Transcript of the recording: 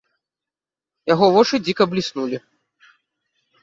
Яго вочы дзіка бліснулі.